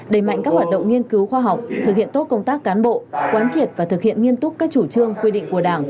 đẩy mạnh các hoạt động nghiên cứu khoa học thực hiện tốt công tác cán bộ quán triệt và thực hiện nghiêm túc các chủ trương quy định của đảng